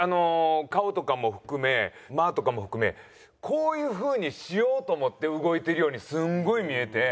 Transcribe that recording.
顔とかも含め間とかも含めこういう風にしようと思って動いてるようにすごい見えて。